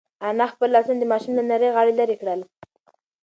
انا خپل لاسونه د ماشوم له نري غاړې لرې کړل.